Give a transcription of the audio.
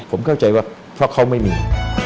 ผมเข้าใจว่าเพราะเขาไม่มี